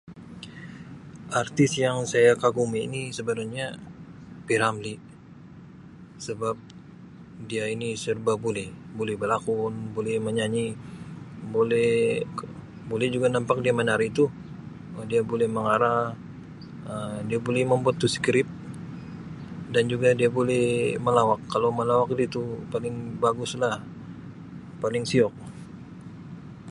Artis yang saya kagumi ni sebenarnya P Ramlee sebab dia ini serba boleh boleh belakon boleh menyanyi boleh boleh juga nampak dia menari itu dia boleh mengarah Um dia boleh membuat tu skrip dan juga dia boleh melawak kalau melawak dia tu paling bagus lah paling siok.